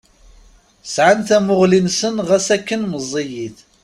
Sɛan tamuɣli-nsen ɣas akken meẓẓiyit.